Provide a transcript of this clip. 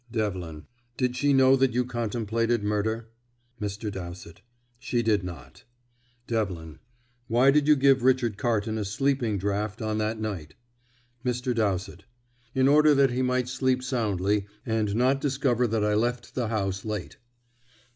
Devlin: "Did she know that you contemplated murder?" Mr. Dowsett: "She did not." Devlin: "Why did you give Richard Carton a sleeping draught on that night?" Mr. Dowsett: "In order that he might sleep soundly, and not discover that I left the house late."